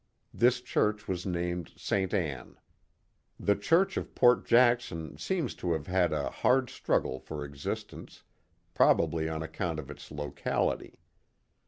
This church was named St. Ann. The church of Port Jackson seems to have had a hard struggle for existence, probably on account of its locality.